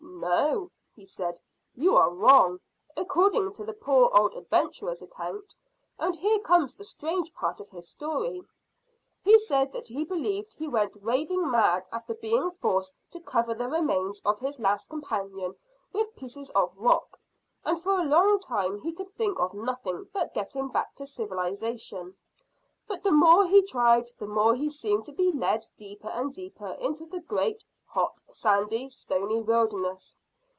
"No," he said; "you are wrong, according to the poor old adventurer's account, and here comes the strange part of his story. He said that he believed he went raving mad after being forced to cover the remains of his last companion with pieces of rock, and for a long time he could think of nothing but getting back to civilisation; but the more he tried the more he seemed to be led deeper and deeper into the great hot, sandy, stony wilderness.